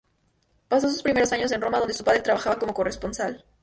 Pasó sus primeros años en Roma, donde su padre trabajaba como corresponsal.